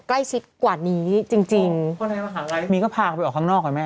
ใกล้ชิดกว่านี้จริงจริงคนในมหาลัยมีก็พาเขาไปออกข้างนอกอ่ะแม่